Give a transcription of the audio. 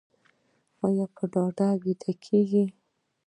ایا په یوه ډډه ویده کیږئ؟